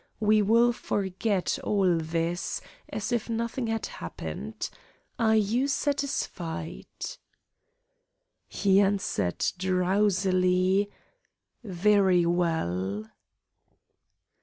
We will forget all this, as if nothing had happened. Are you satisfied?" He answered drowsily: "Very well."